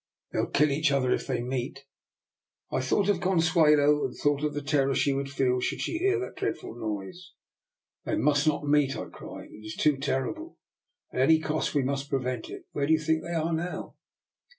They'll kill each other if they meet." I thought of Consuelo, and thought of the terror she would feel should she hear that dreadful noise. *' They must not meet," I cried. " It is too terrible. At any cost we must prevent it. Where do you think they are now?